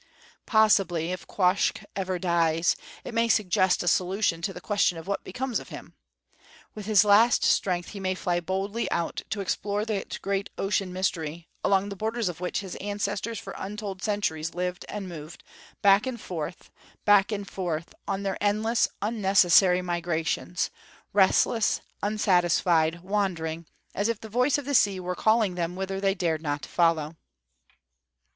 Possibly, if Quoskh ever dies, it may suggest a solution to the question of what becomes of him. With his last strength he may fly boldly out to explore that great ocean mystery, along the borders of which his ancestors for untold centuries lived and moved, back and forth, back and forth, on their endless, unnecessary migrations, restless, unsatisfied, wandering, as if the voice of the sea were calling them whither they dared not follow.